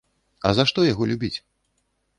А за што яго любіць?